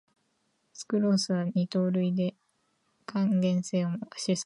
スクロースは二糖類で還元性を示さない